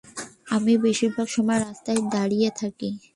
আমি বেশিরভাগ সময়ই রাস্তায় দাঁড়িয়ে থাকি।